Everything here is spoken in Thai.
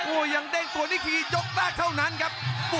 โอ้ยยังเด้งตัวนิโกะเย็นอย่างแบบนั้นครับ